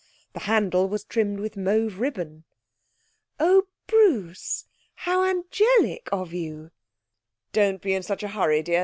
The handle was trimmed with mauve ribbon. 'Oh, Bruce! How angelic of you!' 'Don't be in such a hurry, dear.